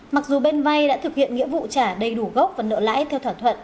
mặc dù bên vay đã thực hiện nghĩa vụ trả đầy đủ gốc và nợ lãi theo thỏa thuận